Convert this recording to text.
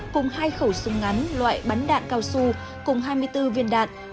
cùng hai khẩu súng ngắn loại bắn đạn cao su cùng hai mươi bốn viên đạn